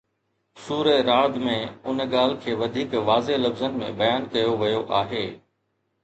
سوره رعد ۾ ان ڳالهه کي وڌيڪ واضح لفظن ۾ بيان ڪيو ويو آهي